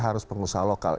harus pengusaha lokal